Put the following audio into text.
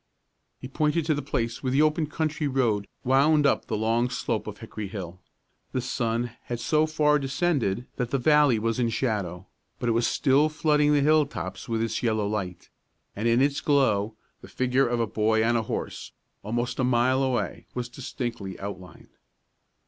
He pointed to the place where the open country road wound up the long slope of Hickory Hill. The sun had so far descended that the valley was in shadow, but it was still flooding the hilltops with its yellow light; and in its glow the figure of a boy on a horse, almost a mile away, was distinctly outlined.